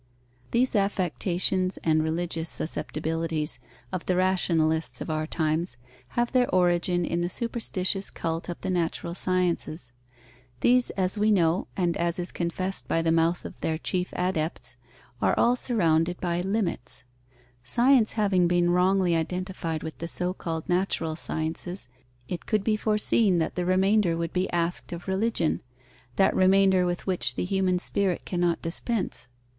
These affectations and religious susceptibilities of the rationalists of our times have their origin in the superstitious cult of the natural sciences. These, as we know and as is confessed by the mouth of their chief adepts, are all surrounded by limits. Science having been wrongly identified with the so called natural sciences, it could be foreseen that the remainder would be asked of religion; that remainder with which the human spirit cannot dispense.